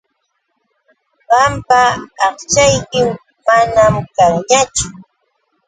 Qampa aqchaykim manam kanñachu.